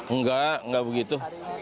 enggak enggak begitu